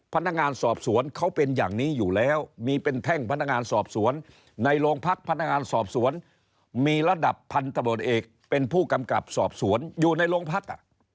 พนักงานสอบสวนเขาเป็นอย่างนี้อยู่แล้วมีเป็นแท่งพนักงานสอบสวนในโรงพักพนักงานสอบสวนมีระดับพันธบทเอกเป็นผู้กำกับสอบสวนอยู่ในโรงพัก